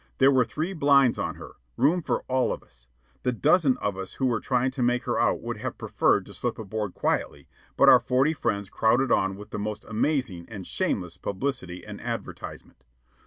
There were three blinds on her room for all of us. The dozen of us who were trying to make her out would have preferred to slip aboard quietly; but our forty friends crowded on with the most amazing and shameless publicity and advertisement.